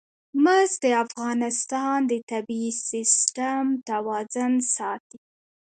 مس د افغانستان د طبعي سیسټم توازن ساتي.